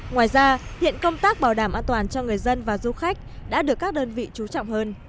ngoài ra hiện công tác bảo đảm an toàn cho người dân và du khách đã được các đơn vị chú trọng hơn